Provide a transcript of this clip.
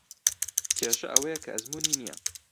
کێشە ئەوەیە کە ئەزموونی نییە.